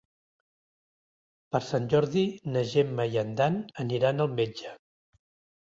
Per Sant Jordi na Gemma i en Dan aniran al metge.